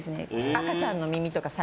赤ちゃんの耳とか。